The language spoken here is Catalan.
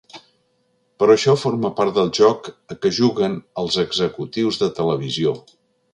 Però això forma part del joc a què juguen els executius de televisió.